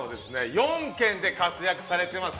４県で活躍されてます